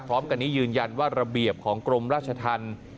พร้อมกันนี้ยืนยันว่าระเบียบของกรมราชธรรม